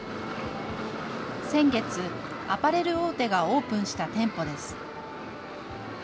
先月、アパレル大手がオープンした店舗です。